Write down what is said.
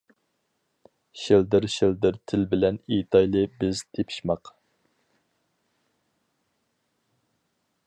شىلدىر-شىلدىر تىل بىلەن ئېيتايلى بىز تېپىشماق.